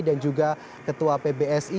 dan juga ketua pbsi